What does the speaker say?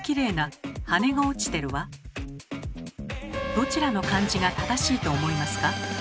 どちらの漢字が正しいと思いますか？